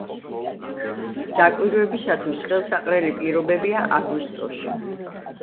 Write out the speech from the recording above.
დაკვირვებისათვის ხელსაყრელი პირობებია აგვისტოში.